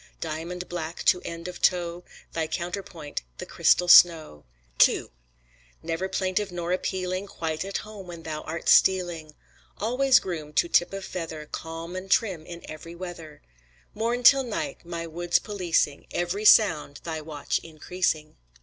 Diamond black to end of toe, Thy counterpoint the crystal snow. II Never plaintive nor appealing, Quite at home when thou art stealing, Always groomed to tip of feather, Calm and trim in every weather, Morn till night my woods policing, Every sound thy watch increasing.